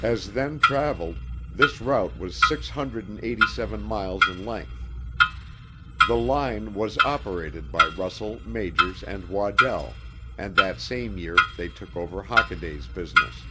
As then traveled, this route was six hundred and eighty seven miles in length. The line as operated by Russell, Majors, and Waddell, and that same year they took over Hockaday's business.